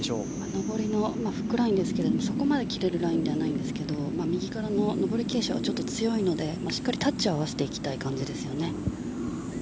上りのフックラインですがそこまで切れるラインではないんですが右からの上り傾斜がちょっと強いのでしっかりタッチを合わせていきたい感じですよね。